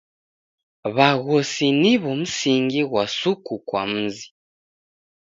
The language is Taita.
W'aghosi niw'o msingi ghwa suku kwa mzi.